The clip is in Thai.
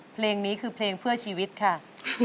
เพลงนี้คือเพลงเพื่อชีวิตค่ะ